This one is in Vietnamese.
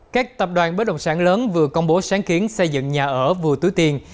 các tập đoàn bếp đồng sản lớn vừa công bố sáng kiến xây dựng nhà ở vừa túi tiền